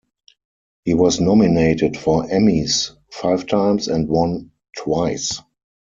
He was nominated for Emmys five times and won twice.